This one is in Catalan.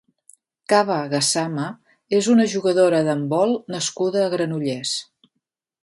Kaba Gassama és una jugadora d'handbol nascuda a Granollers.